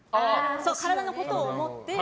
体のことを思って。